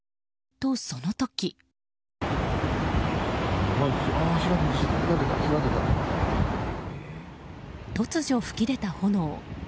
と、その時。突如噴き出た炎。